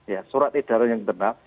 ya surat edaran yang benar